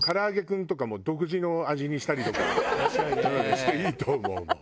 していいと思うもう。